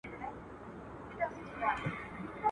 چي خاوند ئې لېټۍ خوري، د سپو بې څه حال وي.